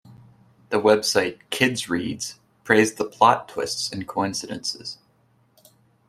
The website Kidsreads praised the plot twists and coincidences.